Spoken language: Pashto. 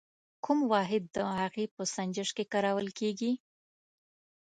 کوم واحد د هغې په سنجش کې کارول کیږي؟